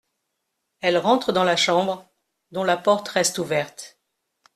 Elle rentre dans la chambre, dont la porte reste ouverte.